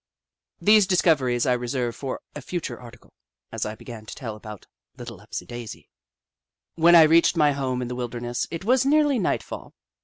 These discoveries I reserve for a future article, as I began to tell about Little Upsidaisi. When I reached my home in the wilderness, it was nearly nightfall.